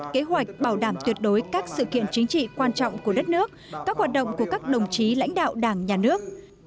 kế hoạch bảo đảm tuyệt đối các sự kiện chính trị quan trọng của đất nước các hoạt động của các đồng chí lãnh đạo đảng nhà nước